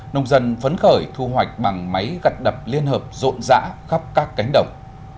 nông dân phấn khởi thu hoạch bằng máy gặt đập liên hợp rộn rã khắp các cánh đồng